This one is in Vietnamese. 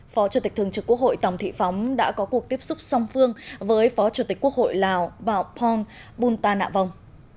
phó chủ tịch thường trực quốc hội tòng thị phóng đã có cuộc tiếp xúc song phương với phó chủ tịch quốc hội lào bảo pom bunta nạ vong